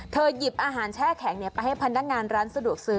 หยิบอาหารแช่แข็งไปให้พนักงานร้านสะดวกซื้อ